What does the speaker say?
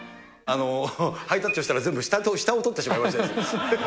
ハイタッチをしたら、全部下を撮ってしまいまして。